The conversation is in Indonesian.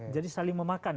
jadi saling memakan